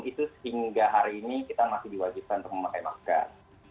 itu hingga hari ini kita masih diwajibkan untuk memakai masker